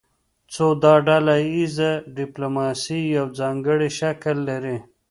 خو دا ډله ایزه ډیپلوماسي یو ځانګړی شکل لري